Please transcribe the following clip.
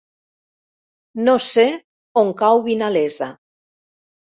No sé on cau Vinalesa.